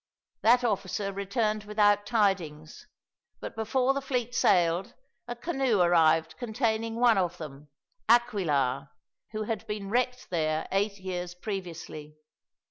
That officer returned without tidings, but before the fleet sailed a canoe arrived containing one of them, Aquilar, who had been wrecked there eight years previously.